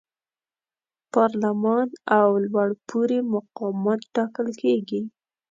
پارلمان او لوړپوړي مقامات ټاکل کیږي.